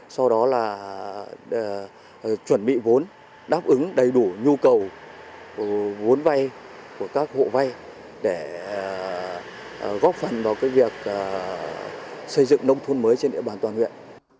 sau đó là chuẩn bị vốn đáp ứng đầy đủ nhu cầu vốn vay của các hộ vay để góp phần vào việc xây dựng nông thôn mới trên địa bàn toàn huyện